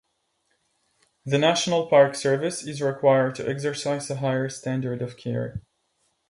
The National Park Service is required to exercise a higher standard of care